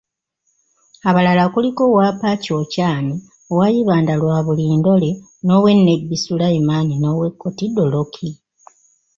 Abalala kuliko ow'e Apac, Ochan, ow'e Ibanda, Rwaburindore, n'owe Nebbi, Sulaiman n'owe Kotido Lokii.